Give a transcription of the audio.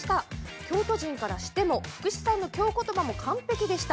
京都人からしても福士さんの京言葉も完璧でした。